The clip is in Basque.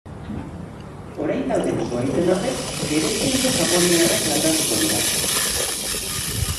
Orain dauden zuhaitzen ordez gereziondo japoniarrak landatuko dira.